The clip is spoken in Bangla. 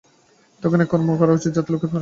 তখন এমন কর্ম করা উচিত, যাতে লোকের শ্রেয়োলাভ হয়।